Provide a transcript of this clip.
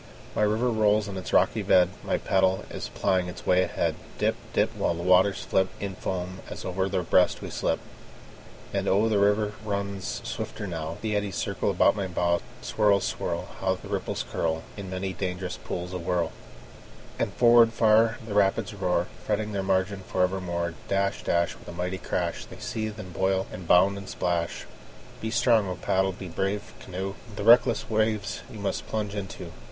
The river rolls in its rocky bed; My paddle is plying its way ahead; Dip, dip, While the waters flip In foam as over their breast we slip. And oh, the river runs swifter now; The eddies circle about my bow. Swirl, swirl! How the ripples curl In many a dangerous pool awhirl! And forward far the rapids roar, Fretting their margin for evermore. Dash, dash, With a mighty crash, They seethe, and boil, and bound, and splash. Be strong, O paddle! be brave, canoe! The reckless waves you must plunge into.